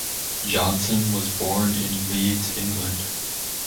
Johnson was born in Leeds, England.